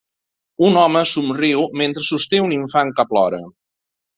Un home somriu mentre sosté un infant que plora.